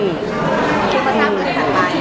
คือมาทราบวันถัดไป